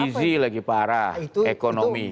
gizi lagi parah ekonomi